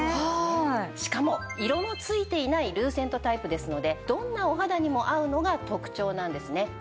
しかも色のついていないルーセントタイプですのでどんなお肌にも合うのが特徴なんですね。